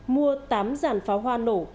mua tám ràn pháo hoa nổ